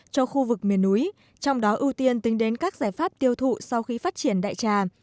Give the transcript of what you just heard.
cho khu vực miền núi trong đó ưu tiên tính đến các giải pháp tiêu thụ sau khi phát triển đại trà